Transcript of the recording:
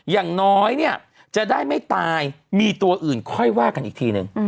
อย่างน้อยเนี่ยจะได้ไม่ตายมีตัวอื่นค่อยว่ากันอีกทีหนึ่ง